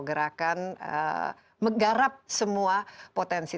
gerakan menggarap semua potensi